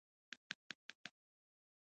دا اسلام زموږ د ټولو ستونزو حل دی.